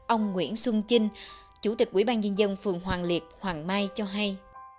ông nguyễn xuân chinh chủ tịch quỹ ban nhân dân phường hoàng liệt hoàng mai cho hay